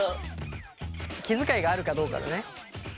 気遣いがあるかどうかだね。